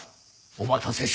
お待たせしました。